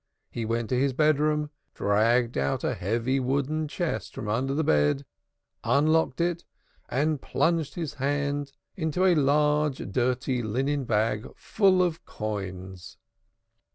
He went to his bedroom, dragged out a heavy wooden chest from under the bed, unlocked it and plunged his hand into a large dirty linen bag, full of coins.